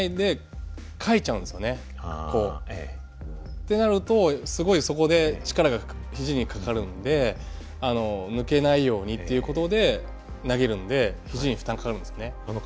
ってなるとすごいそこで力がひじにかかるんで抜けないようにっていうことで投げるんでひじに負担かかるんですよね。